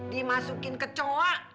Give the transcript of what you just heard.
dimasukin ke coa